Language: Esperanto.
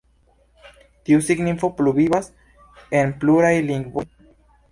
Tiu signifo pluvivas en pluraj lingvoj.